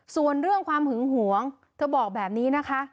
ส่วนเรื่องความหึงหวงเธอบอกแบบนี้นะคะ